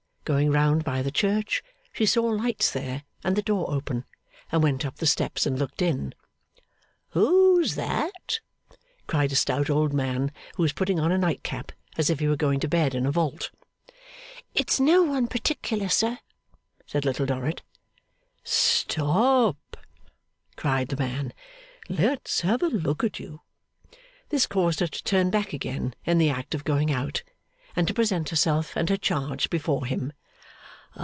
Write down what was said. Going round by the Church, she saw lights there, and the door open; and went up the steps and looked in. 'Who's that?' cried a stout old man, who was putting on a nightcap as if he were going to bed in a vault. 'It's no one particular, sir,' said Little Dorrit. 'Stop!' cried the man. 'Let's have a look at you!' This caused her to turn back again in the act of going out, and to present herself and her charge before him.